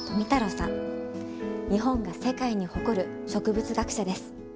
日本が世界に誇る植物学者です。